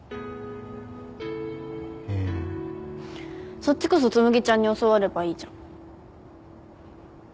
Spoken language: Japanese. そっちこそ紬ちゃんに教わればいいじゃん。